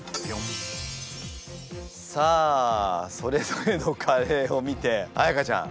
さあそれぞれのカレーを見て彩歌ちゃん